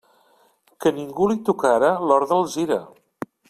Que ningú li tocara l'hort d'Alzira.